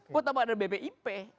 buat apa ada bpip